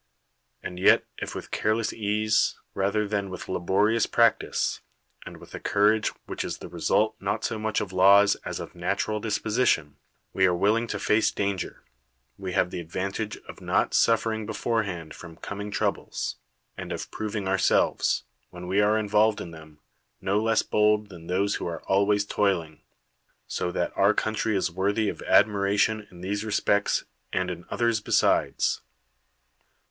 And yet if with careless ease rather THE WORLD'S FAMOUS ORATIONS than with laborious practise, and with a courage which is the result not so much of laws as of natural disposition, we are willing to face dan ger, we have the advantage of not suffering be forehand from coming troubles, and of proving ourselves, when we are involved in them, no less bold than those who are always toiling; so that our country is worthy of admiration in these respects, and in others besides.